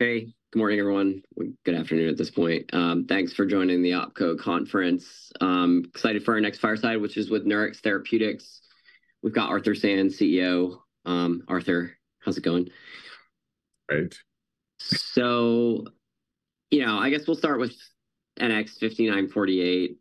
Hey, good morning, everyone. Good afternoon at this point. Thanks for joining the OpCo conference. Excited for our next fireside, which is with Nurix Therapeutics. We've got Arthur Sands, CEO. Arthur, how's it going? Great. You know, I guess we'll start with NX-5948.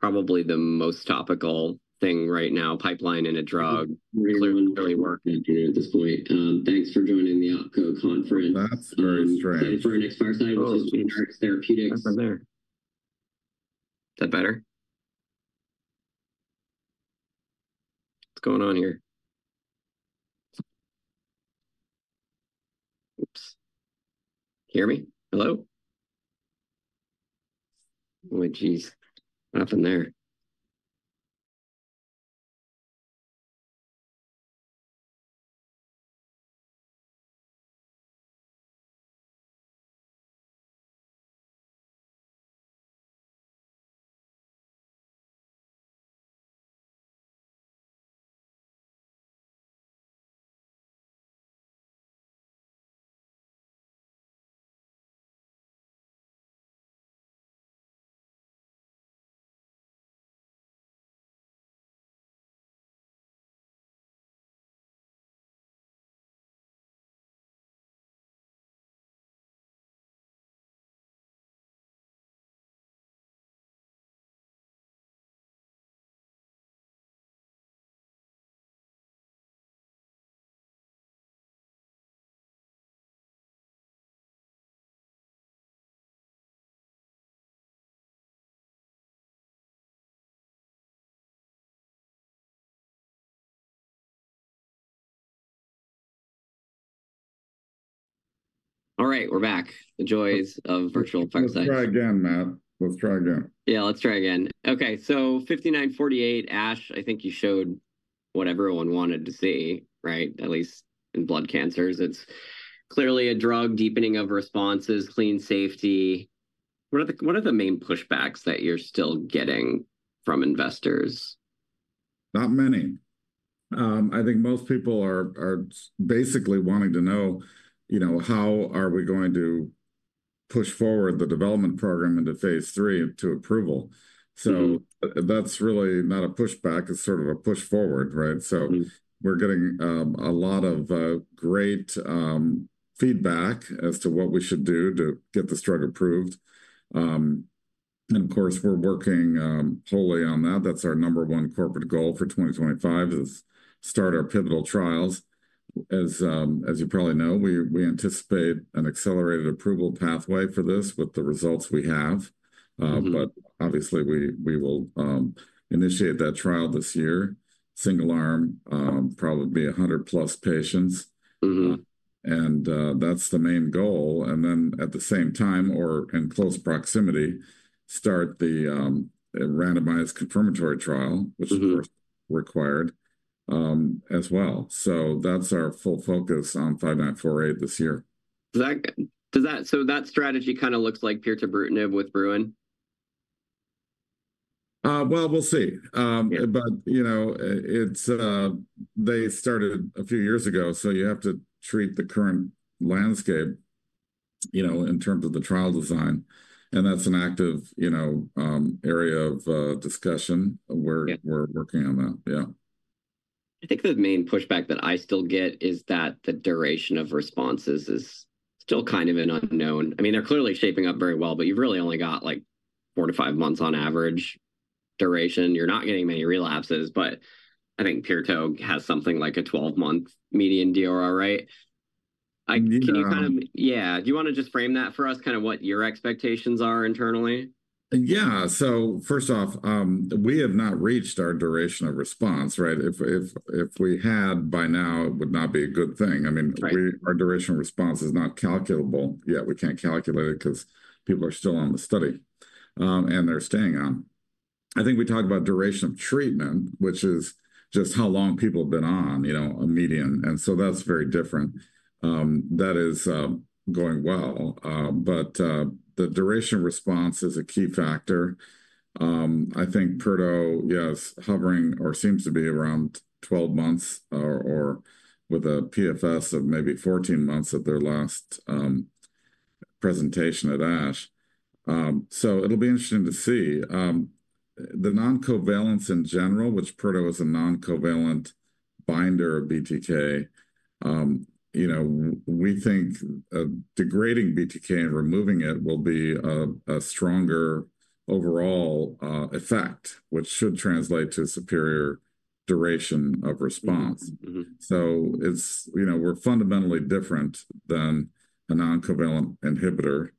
Probably the most topical thing right now, pipeline in a drug. Clearly working through at this point. Thanks for joining the OpCo conference. That's very stressed. For our next fireside, which is Nurix Therapeutics. I'm right there. Is that better? What's going on here? Oops. Hear me? Hello? Oh, geez. What happened there? All right, we're back. The joys of virtual fireside. Let's try again, Matt. Let's try again. Yeah, let's try again. Okay, so NX-5948, ASH, I think you showed what everyone wanted to see, right? At least in blood cancers. It's clearly a drug, deepening of responses, clean safety. What are the main pushbacks that you're still getting from investors? Not many. I think most people are basically wanting to know, you know, how are we going to push forward the development program into phase III to approval? So that's really not a pushback, it's sort of a push forward, right? So we're getting a lot of great feedback as to what we should do to get this drug approved. And of course, we're working wholly on that. That's our number one corporate goal for 2025, is start our pivotal trials. As you probably know, we anticipate an accelerated approval pathway for this with the results we have. But obviously, we will initiate that trial this year. Single arm, probably be 100+ patients. And that's the main goal. And then at the same time, or in close proximity, start the randomized confirmatory trial, which is required as well. So that's our full focus on NX-5948 this year. So that strategy kind of looks like pirtobrutinib with BRUIN? We'll see. You know, they started a few years ago, so you have to treat the current landscape, you know, in terms of the trial design. That's an active, you know, area of discussion where we're working on that. Yeah. I think the main pushback that I still get is that the duration of responses is still kind of an unknown. I mean, they're clearly shaping up very well, but you've really only got like four to five months on average duration. You're not getting many relapses, but I think pirto has something like a 12-month median DOR, right? Can you kind of, yeah, do you want to just frame that for us, kind of what your expectations are internally? Yeah. So first off, we have not reached our duration of response, right? If we had by now, it would not be a good thing. I mean, our duration of response is not calculable yet. We can't calculate it because people are still on the study and they're staying on. I think we talked about duration of treatment, which is just how long people have been on, you know, a median. And so that's very different. That is going well. But the duration of response is a key factor. I think pirto, yeah, is hovering or seems to be around 12 months or with a PFS of maybe 14 months at their last presentation at ASH. So it'll be interesting to see. The non-covalent in general, which pirto is a non-covalent binder of BTK, you know, we think degrading BTK and removing it will be a stronger overall effect, which should translate to a superior duration of response. So it's, you know, we're fundamentally different than a non-covalent inhibitor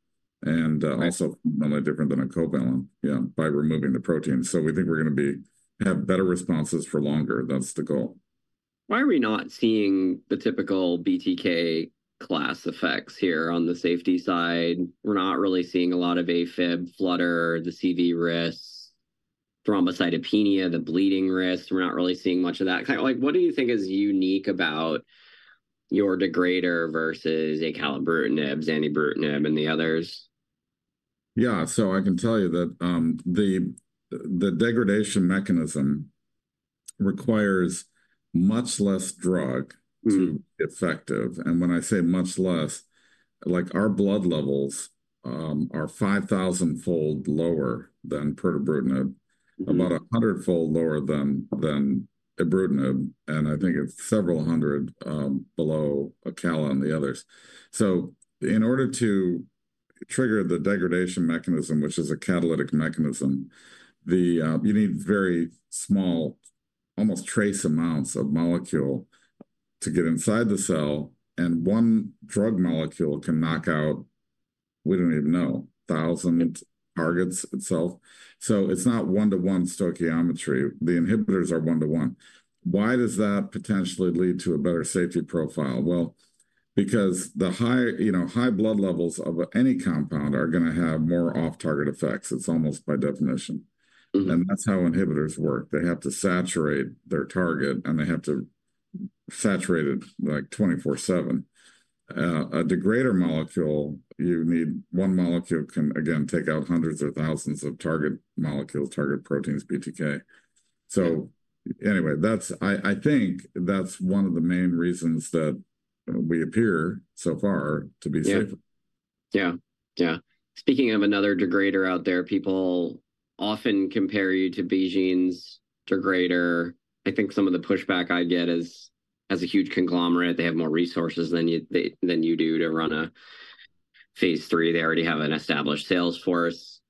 and also fundamentally different than a covalent, you know, by removing the protein. So we think we're going to have better responses for longer. That's the goal. Why are we not seeing the typical BTK class effects here on the safety side? We're not really seeing a lot of AFib, flutter, the CV risks, thrombocytopenia, the bleeding risks. We're not really seeing much of that. Kind of like, what do you think is unique about your degrader versus acalabrutinib, zanubrutinib, and the others? Yeah, so I can tell you that the degradation mechanism requires much less drug to be effective, and when I say much less, like our blood levels are 5,000-fold lower than pirto, about 100-fold lower than ibrutinib, and I think it's several hundred below acal and the others, so in order to trigger the degradation mechanism, which is a catalytic mechanism, you need very small, almost trace amounts of molecule to get inside the cell, and one drug molecule can knock out, we don't even know, 1,000 targets itself, so it's not one-to-one stoichiometry. The inhibitors are one-to-one. Why does that potentially lead to a better safety profile, well, because the high, you know, high blood levels of any compound are going to have more off-target effects. It's almost by definition, and that's how inhibitors work. They have to saturate their target, and they have to saturate it like 24/7. A degrader molecule, you need one molecule can, again, take out hundreds or thousands of target molecules, target proteins, BTK. So anyway, that's, I think that's one of the main reasons that we appear so far to be safer. Yeah. Yeah. Yeah. Speaking of another degrader out there, people often compare you to BeiGene's degrader. I think some of the pushback I get is as a huge conglomerate, they have more resources than you do to run a phase III. They already have an established sales force.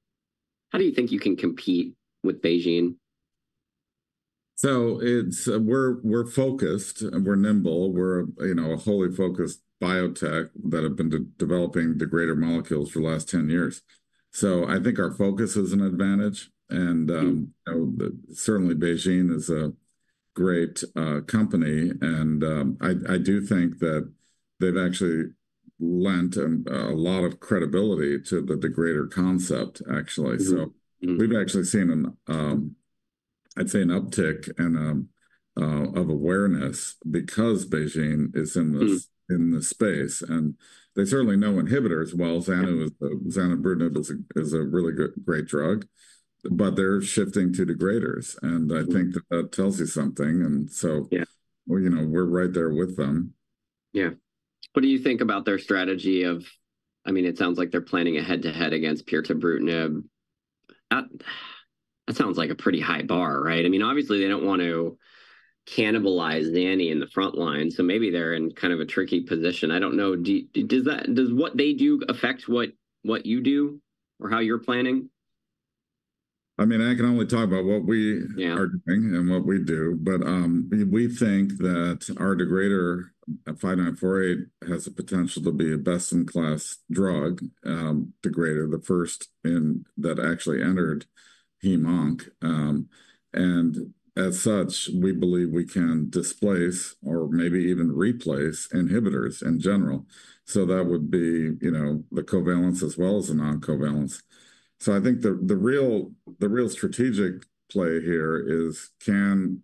How do you think you can compete with BeiGene? So we're focused, we're nimble, we're a wholly focused biotech that have been developing degrader molecules for the last 10 years. So I think our focus is an advantage. And certainly BeiGene is a great company. And I do think that they've actually lent a lot of credibility to the degrader concept, actually. So we've actually seen, I'd say, an uptick of awareness because BeiGene is in the space. And they certainly know inhibitors. Well, zanubrutinib is a really great drug, but they're shifting to degraders. And I think that tells you something. And so, you know, we're right there with them. Yeah. What do you think about their strategy of, I mean, it sounds like they're planning a head-to-head against pirtobrutinib. That sounds like a pretty high bar, right? I mean, obviously they don't want to cannibalize zani in the front line. So maybe they're in kind of a tricky position. I don't know. Does what they do affect what you do or how you're planning? I mean, I can only talk about what we are doing and what we do, but we think that our degrader NX-5948 has the potential to be a best-in-class drug, degrader, the first that actually entered HemOnc, and as such, we believe we can displace or maybe even replace inhibitors in general. So that would be, you know, the covalent as well as the non-covalent. So I think the real strategic play here is, can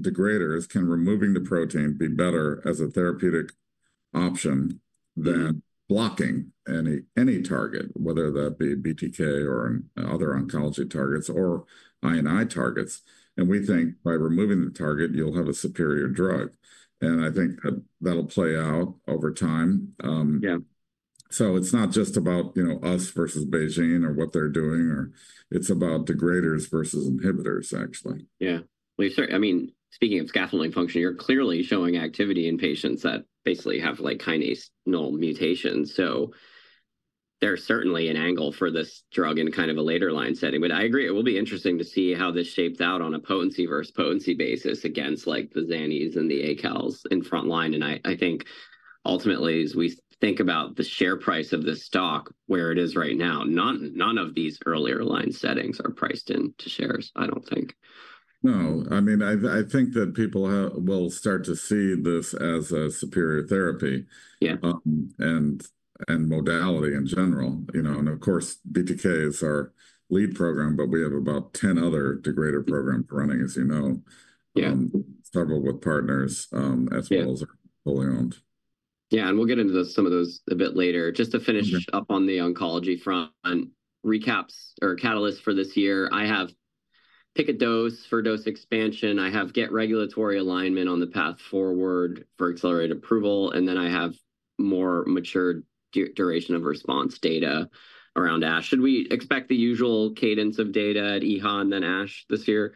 degraders, can removing the protein be better as a therapeutic option than blocking any target, whether that be BTK or other oncology targets or I&I targets? And we think by removing the target, you'll have a superior drug. And I think that'll play out over time. So it's not just about, you know, us versus BeiGene or what they're doing; it's about degraders versus inhibitors, actually. Yeah. Well, I mean, speaking of scaffolding function, you're clearly showing activity in patients that basically have like kinase null mutations. So there's certainly an angle for this drug in kind of a later line setting. But I agree, it will be interesting to see how this shapes out on a potency versus potency basis against like the zanis and the acals in front line. And I think ultimately, as we think about the share price of this stock, where it is right now, none of these earlier line settings are priced into shares, I don't think. No. I mean, I think that people will start to see this as a superior therapy and modality in general. You know, and of course, BTK is our lead program, but we have about 10 other degrader programs running, as you know, several with partners as well as our fully owned. Yeah. And we'll get into some of those a bit later. Just to finish up on the oncology front, recaps or catalysts for this year. I have pick a dose for dose expansion. I have get regulatory alignment on the path forward for accelerated approval. And then I have more mature duration of response data around ASH. Should we expect the usual cadence of data at EHA and then ASH this year?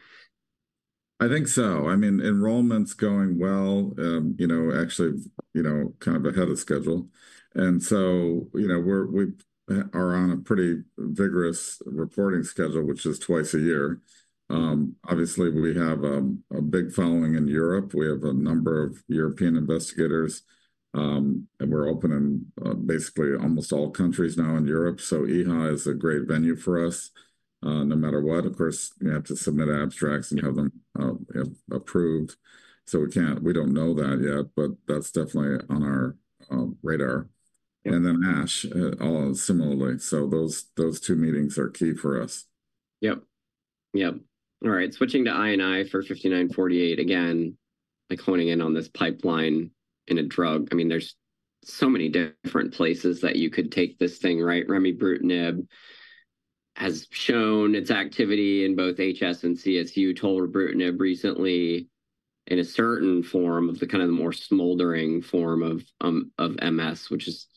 I think so. I mean, enrollment's going well, you know, actually, you know, kind of ahead of schedule, and so, you know, we are on a pretty vigorous reporting schedule, which is twice a year. Obviously, we have a big following in Europe. We have a number of European investigators, and we're open in basically almost all countries now in Europe, so EHA is a great venue for us no matter what. Of course, you have to submit abstracts and have them approved, so we don't know that yet, but that's definitely on our radar, and then ASH, similarly, so those two meetings are key for us. Yep. Yep. All right. Switching to I&I for NX-5948. Again, like honing in on this pipeline in a drug. I mean, there's so many different places that you could take this thing, right? Remibrutinib has shown its activity in both HS and CSU. Tolebrutinib recently in a certain form of the kind of the more smoldering form of MS, which is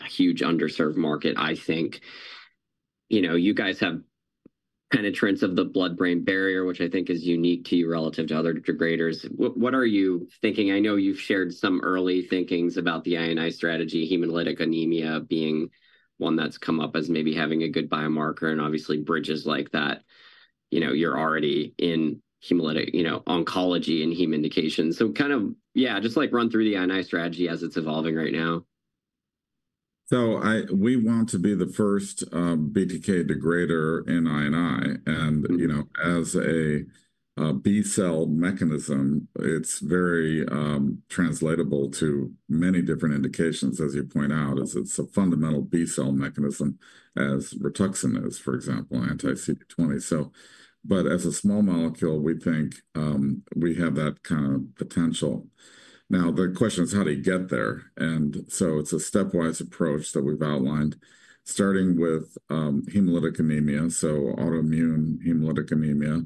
a huge underserved market, I think. You know, you guys have penetrance of the blood-brain barrier, which I think is unique to you relative to other degraders. What are you thinking? I know you've shared some early thinkings about the I&I strategy, hemolytic anemia being one that's come up as maybe having a good biomarker and obviously bridges like that. You know, you're already in hemolytic, you know, oncology and heme indications. So kind of, yeah, just like run through the I&I strategy as it's evolving right now. We want to be the first BTK degrader in I&I. And, you know, as a B cell mechanism, it's very translatable to many different indications, as you point out, as it's a fundamental B cell mechanism, as rituximab is, for example, anti-CD20. But as a small molecule, we think we have that kind of potential. Now, the question is how do you get there? And so it's a stepwise approach that we've outlined, starting with hemolytic anemia, so autoimmune hemolytic anemia,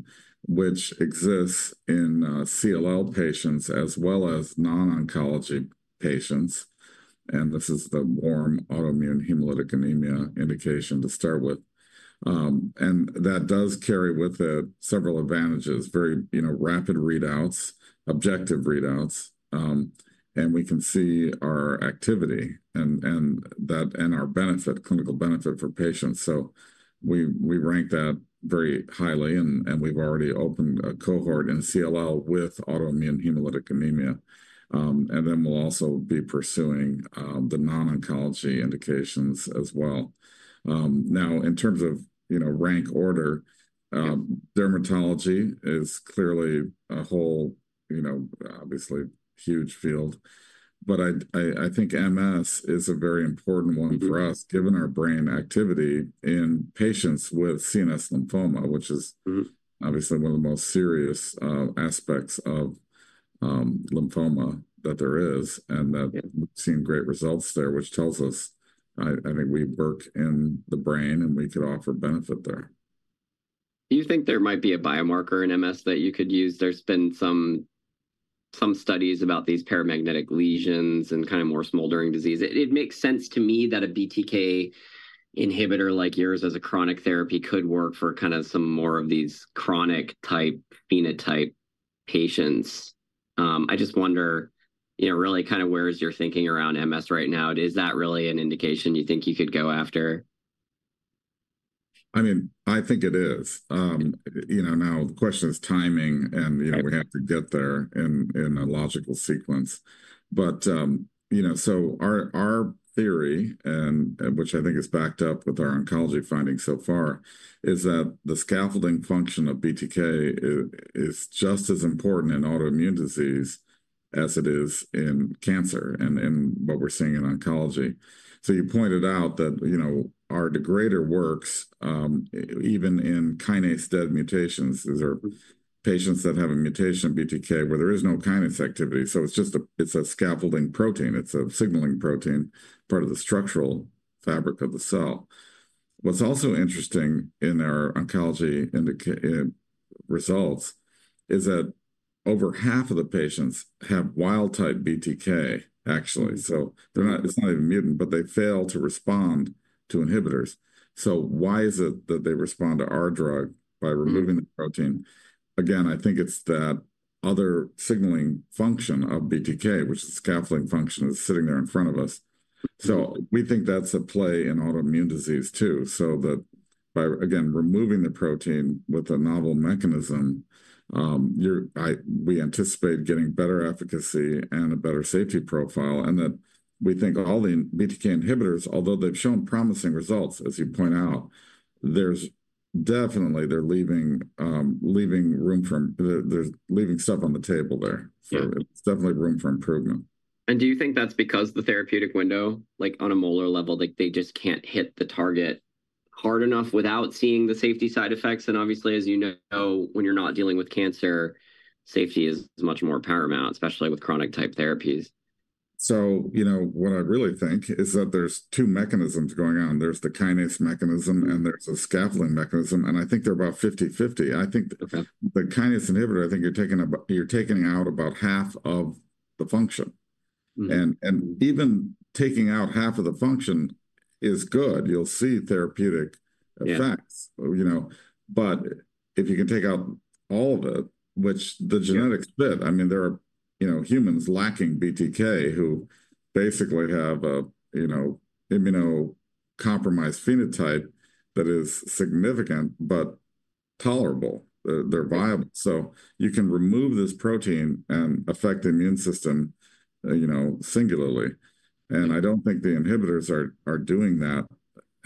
which exists in CLL patients as well as non-oncology patients. And this is the warm autoimmune hemolytic anemia indication to start with. And that does carry with it several advantages, very, you know, rapid readouts, objective readouts. And we can see our activity and our benefit, clinical benefit for patients. So we rank that very highly. We've already opened a cohort in CLL with autoimmune hemolytic anemia. Then we'll also be pursuing the non-oncology indications as well. Now, in terms of, you know, rank order, dermatology is clearly a whole, you know, obviously huge field. I think MS is a very important one for us, given our brain activity in patients with CNS lymphoma, which is obviously one of the most serious aspects of lymphoma that there is, and that we've seen great results there, which tells us, I think we work in the brain and we could offer benefit there. Do you think there might be a biomarker in MS that you could use? There's been some studies about these paramagnetic lesions and kind of more smoldering disease. It makes sense to me that a BTK inhibitor like yours as a chronic therapy could work for kind of some more of these chronic type phenotype patients. I just wonder, you know, really kind of where's your thinking around MS right now? Is that really an indication you think you could go after? I mean, I think it is. You know, now the question is timing and, you know, we have to get there in a logical sequence. But, you know, so our theory, and which I think is backed up with our oncology findings so far, is that the scaffolding function of BTK is just as important in autoimmune disease as it is in cancer and in what we're seeing in oncology. So you pointed out that, you know, our degrader works even in kinase-dead mutations. These are patients that have a BTK mutation where there is no kinase activity. So it's just a, it's a scaffolding protein. It's a signaling protein, part of the structural fabric of the cell. What's also interesting in our oncology results is that over half of the patients have wild-type BTK, actually. So, they're not. It's not even mutant, but they fail to respond to inhibitors. So why is it that they respond to our drug by removing the protein? Again, I think it's that other signaling function of BTK, which is the scaffolding function, is sitting there in front of us. So we think that's a play in autoimmune disease too. So that by, again, removing the protein with a novel mechanism, we anticipate getting better efficacy and a better safety profile. And that we think all the BTK inhibitors, although they've shown promising results, as you point out, there's definitely, they're leaving room for, they're leaving stuff on the table there. So it's definitely room for improvement. Do you think that's because the therapeutic window, like on a molar level, like they just can't hit the target hard enough without seeing the safety side effects? Obviously, as you know, when you're not dealing with cancer, safety is much more paramount, especially with chronic type therapies. You know, what I really think is that there's two mechanisms going on. There's the kinase mechanism and there's a scaffolding mechanism. I think they're about 50-50. I think the kinase inhibitor, I think you're taking out about half of the function. Even taking out half of the function is good. You'll see therapeutic effects, you know, but if you can take out all of it, which the genetics fit, I mean, there are, you know, humans lacking BTK who basically have a, you know, immunocompromised phenotype that is significant, but tolerable. They're viable. You can remove this protein and affect the immune system, you know, singularly. I don't think the inhibitors are doing that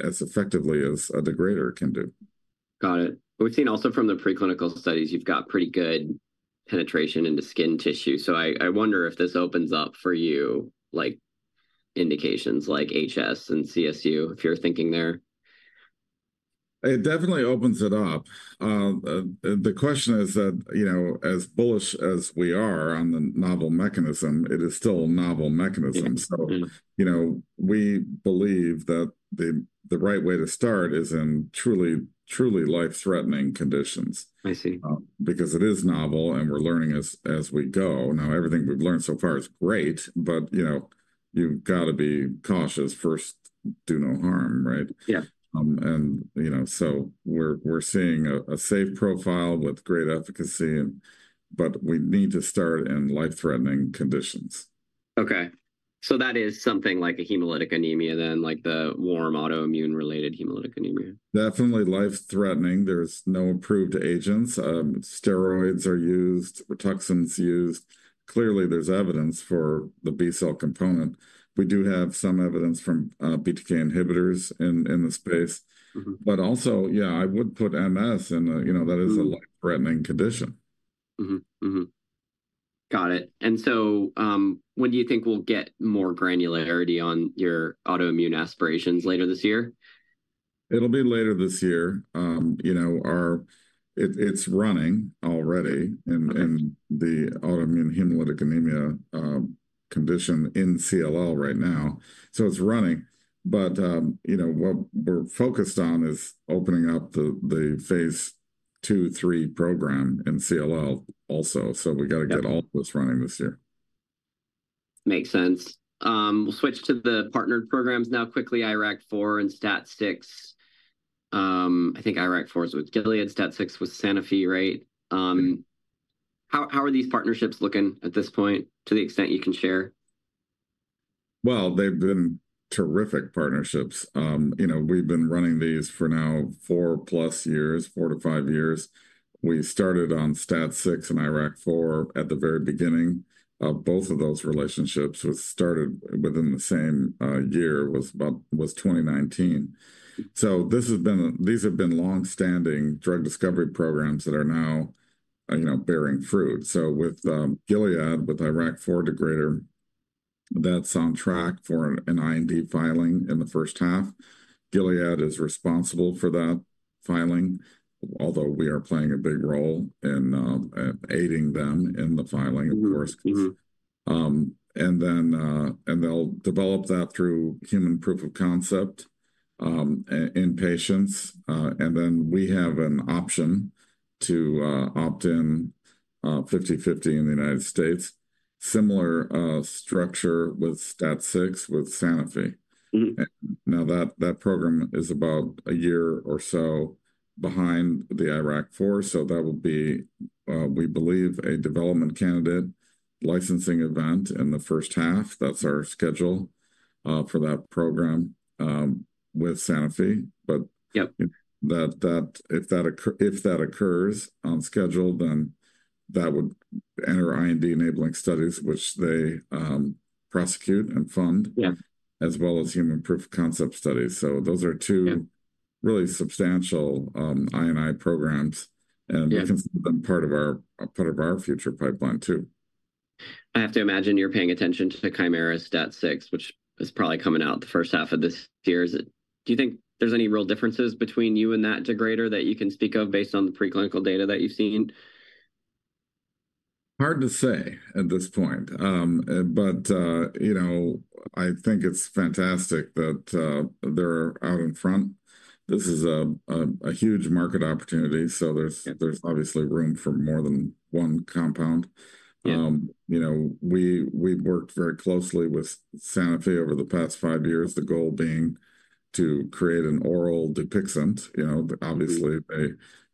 as effectively as a degrader can do. Got it. We've seen also from the preclinical studies, you've got pretty good penetration into skin tissue. So I wonder if this opens up for you, like indications like HS and CSU, if you're thinking there? It definitely opens it up. The question is that, you know, as bullish as we are on the novel mechanism, it is still a novel mechanism, so you know, we believe that the right way to start is in truly, truly life-threatening conditions. I see. Because it is novel and we're learning as we go. Now, everything we've learned so far is great, but, you know, you've got to be cautious. First, do no harm, right? Yeah. You know, so we're seeing a safe profile with great efficacy, but we need to start in life-threatening conditions. Okay. So that is something like a hemolytic anemia then, like the warm autoimmune hemolytic anemia. Definitely life-threatening. There's no approved agents. Steroids are used, Rituxan's used. Clearly, there's evidence for the B cell component. We do have some evidence from BTK inhibitors in the space. But also, yeah, I would put MS in, you know, that is a life-threatening condition. Got it. And so when do you think we'll get more granularity on your autoimmune aspirations later this year? It'll be later this year. You know, it's running already in the autoimmune hemolytic anemia condition in CLL right now. So it's running. But, you know, what we're focused on is opening up the phase II/III program in CLL also. So we got to get all of this running this year. Makes sense. We'll switch to the partnered programs now quickly. IRAK4 and STAT6. I think IRAK4 was with Gilead, STAT6 was Sanofi, right? How are these partnerships looking at this point to the extent you can share? They've been terrific partnerships. You know, we've been running these for now 4+ years, four to five years. We started on STAT6 and IRAK4 at the very beginning. Both of those relationships started within the same year, was about 2019. This has been, these have been longstanding drug discovery programs that are now, you know, bearing fruit. With Gilead, with IRAK4 degrader, that's on track for an IND filing in the first half. Gilead is responsible for that filing, although we are playing a big role in aiding them in the filing, of course. And then, and they'll develop that through human proof of concept in patients. And then we have an option to opt in 50-50 in the United States, similar structure with STAT6 with Sanofi. Now that program is about a year or so behind the IRAK4. So that will be, we believe, a development candidate licensing event in the first half. That's our schedule for that program with Sanofi. But that, if that occurs on schedule, then that would enter IND-enabling studies, which they prosecute and fund, as well as human proof of concept studies. So those are two really substantial I&I programs. And we consider them part of our future pipeline too. I have to imagine you're paying attention to Kymera STAT6, which is probably coming out the first half of this year. Do you think there's any real differences between you and that degrader that you can speak of based on the preclinical data that you've seen? Hard to say at this point. But, you know, I think it's fantastic that they're out in front. This is a huge market opportunity. So there's obviously room for more than one compound. You know, we've worked very closely with Sanofi over the past five years, the goal being to create an oral Dupixent. You know, obviously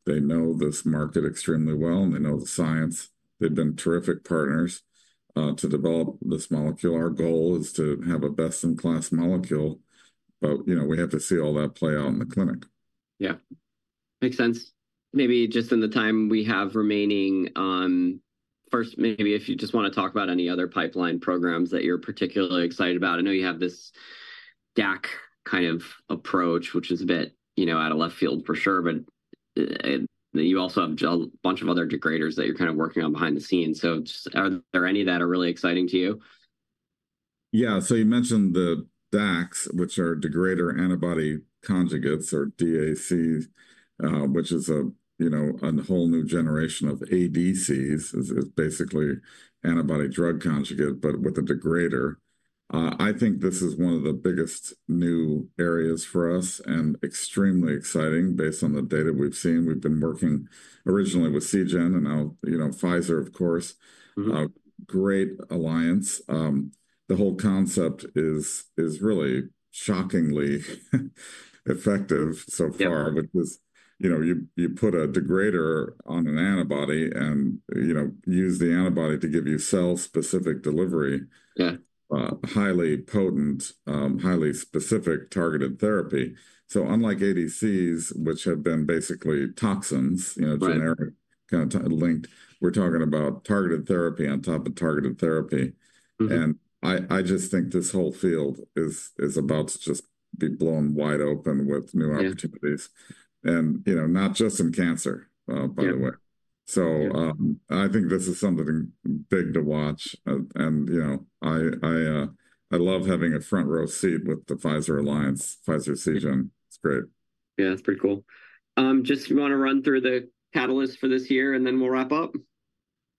they know this market extremely well and they know the science. They've been terrific partners to develop this molecule. Our goal is to have a best-in-class molecule. But, you know, we have to see all that play out in the clinic. Yeah. Makes sense. Maybe just in the time we have remaining, first, maybe if you just want to talk about any other pipeline programs that you're particularly excited about. I know you have this DAC kind of approach, which is a bit, you know, out of left field for sure, but you also have a bunch of other degraders that you're kind of working on behind the scenes. So are there any that are really exciting to you? Yeah. So you mentioned the DACs, which are degrader antibody conjugates or DACs, which is a, you know, a whole new generation of ADCs, is basically antibody drug conjugate, but with a degrader. I think this is one of the biggest new areas for us and extremely exciting based on the data we've seen. We've been working originally with Seagen and now, you know, Pfizer, of course, great alliance. The whole concept is really shockingly effective so far, which is, you know, you put a degrader on an antibody and, you know, use the antibody to give you cell-specific delivery, highly potent, highly specific targeted therapy. So unlike ADCs, which have been basically toxins, you know, generic kind of linked, we're talking about targeted therapy on top of targeted therapy. And I just think this whole field is about to just be blown wide open with new opportunities. And, you know, not just in cancer, by the way. So I think this is something big to watch. And, you know, I love having a front row seat with the Pfizer Alliance, Pfizer Seagen. It's great. Yeah, it's pretty cool. Just want to run through the catalysts for this year and then we'll wrap up.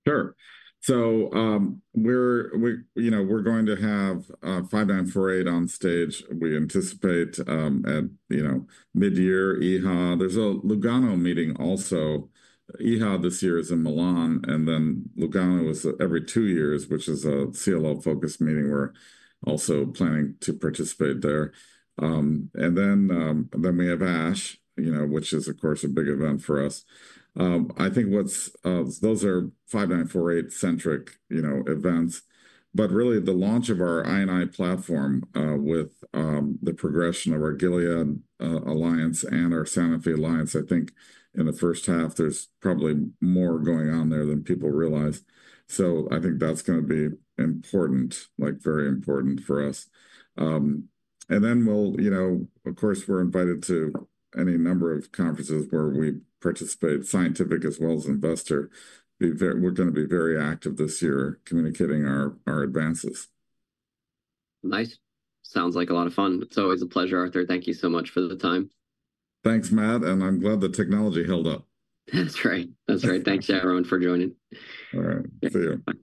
Sure. So we're, you know, we're going to have NX-5948 on stage. We anticipate at, you know, mid-year EHA. There's a Lugano meeting also. EHA this year is in Milan. And then Lugano is every two years, which is a CLL-focused meeting. We're also planning to participate there. And then we have ASH, you know, which is of course a big event for us. I think what's, those are 5948-centric, you know, events. But really the launch of our I&I platform with the progression of our Gilead Alliance and our Sanofi Alliance, I think in the first half, there's probably more going on there than people realize. So I think that's going to be important, like very important for us. And then we'll, you know, of course we're invited to any number of conferences where we participate, scientific as well as investor. We're going to be very active this year communicating our advances. Nice. Sounds like a lot of fun. It's always a pleasure, Arthur. Thank you so much for the time. Thanks, Matt, and I'm glad the technology held up. That's right. That's right. Thanks to everyone for joining. All right. See you.